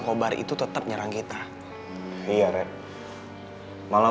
sama temen temen lo enggak tuh